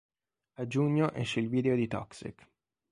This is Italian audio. A giugno esce il video di "Toxic".